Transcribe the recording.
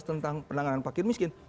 tentang penanganan paket miskin